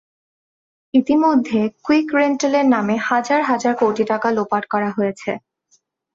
ইতিমধ্যে কুইক রেন্টালের নামে হাজার হাজার কোটি টাকা লোপাট করা হয়েছে।